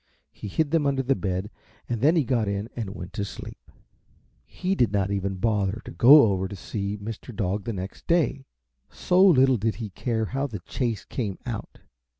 He hid them under the bed and then he got in and went to sleep. He did not even bother to go over to see Mr. Dog the next day, so little did he care how the chase came out.